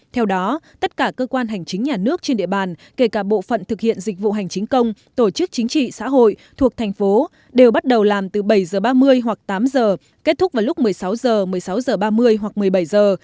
theo đó tất cả cơ quan hành chính nhà nước trên địa bàn kể cả bộ phận thực hiện dịch vụ hành chính công tổ chức chính trị xã hội thuộc thành phố đều bắt đầu làm từ bảy h ba mươi hoặc tám giờ kết thúc vào lúc một mươi sáu h một mươi sáu h ba mươi hoặc một mươi bảy giờ